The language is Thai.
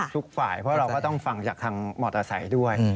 ทุกฝ่ายเพราะเราก็ต้องฟังจากทางมอเตอร์ไซค์ด้วย